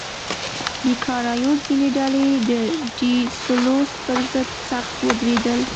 د کارایوس ځینې ډلې د ډي سلوس پر ضد سخت ودرېدل.